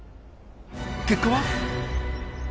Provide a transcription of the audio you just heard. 結果は？